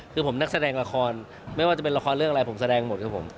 คือผมนักแสดงละครไม่ว่าจะเป็นละครเรื่องอะไรผมแสดงหมดครับผม